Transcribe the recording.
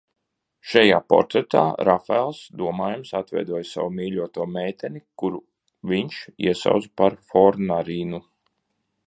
Šajā portretā Rafaels, domājams, atveidoja savu mīļoto meiteni, kuru viņš iesauca par Fornarinu.